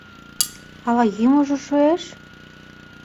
Ала йӱмыжӧ шуэш?